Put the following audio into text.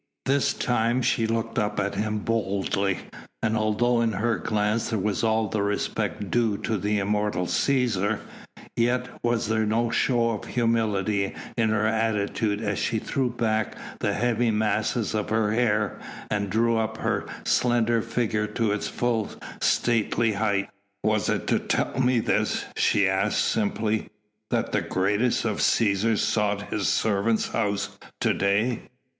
This time she looked up at him boldly, and although in her glance there was all the respect due to the immortal Cæsar, yet was there no show of humility in her attitude as she threw back the heavy masses of her hair and drew up her slender figure to its full stately height. "Was it to tell me this," she asked simply, "that the greatest of Cæsars sought his servant's house to day?"